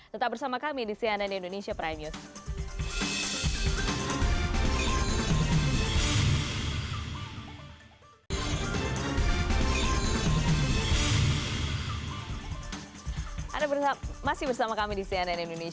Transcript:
tetap bersama kami di cnn indonesia prime news